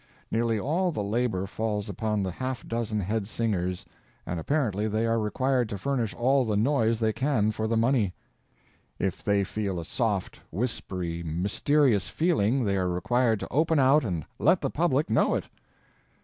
Nearly all the labor falls upon the half dozen head singers, and apparently they are required to furnish all the noise they can for the money. If they feel a soft, whispery, mysterious feeling they are required to open out and let the public know it.